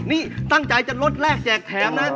นี่ตั้งใจจะลดแรกแจกแถมนะ